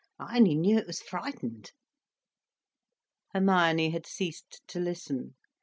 I only knew it was frightened." Hermione had ceased to listen.